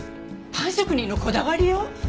パン職人のこだわりよ。